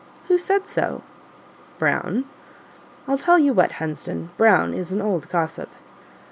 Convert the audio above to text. "Who said so?" "Brown." "I'll tell you what, Hunsden Brown is an old gossip."